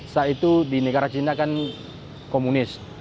saat itu di negara cina kan komunis